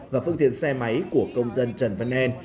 và phương thiện xe máy của công dân trần văn en